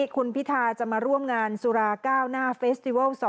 คุณพิธาจะมาร่วมงานสุราก้าวหน้าเฟสติวัล๒